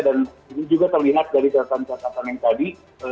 dan ini juga terlihat dari catatan catatan yang tadi